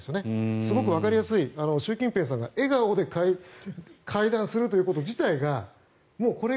すごくわかりやすい習近平さんが笑顔で会談するということ自体がもうこれが。